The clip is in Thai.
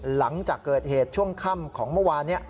หลังจากเกิดเหตุช่วงค่ำของเมื่อวานนี้